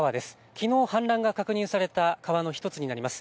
きのう氾濫が確認された川の１つになります。